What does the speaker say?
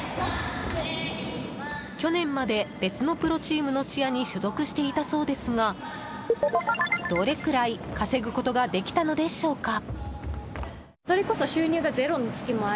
去年まで別のプロチームのチアに所属していたそうですがどれくらい稼ぐことができたのでしょうか。